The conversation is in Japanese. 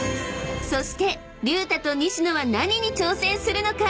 ［そして隆太と西野は何に挑戦するのか？］